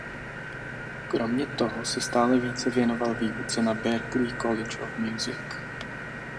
Kromě toho se stále více věnoval výuce na Berklee College of Music.